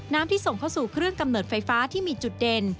ที่ส่งเข้าสู่เครื่องกำเนิดไฟฟ้าที่มีจุดเด่น